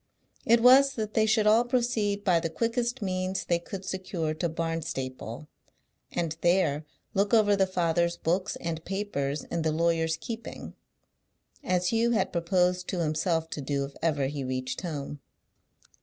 It was that they should all proceed by the quickest means they could secure to Barnstaple, and there look over the father's books and papers in the lawyer's keeping; as Hugh had proposed to himself to do if ever he reached home.